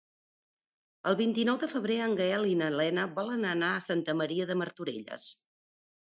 El vint-i-nou de febrer en Gaël i na Lena volen anar a Santa Maria de Martorelles.